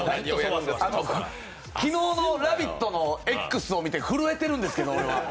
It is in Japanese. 昨日の「ラヴィット！」のＸを見て震えてるんですけど。